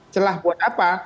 celah buat apa